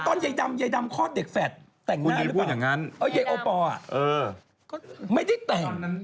ตอนใหญ่ดำใหญ่ดำคลอดเด็กแฝดแต่งหน้าหรือเปล่าอ่ะใหญ่โอปอล์อ่ะไม่ได้แต่ง